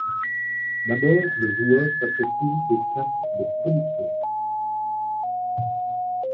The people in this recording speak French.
D'abord le joueur s’approprie des cartes de production.